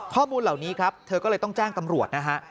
ข้อมูลเหล่านี้ครับเธอก็เลยต้องแจ้งตำรวจนะฮะ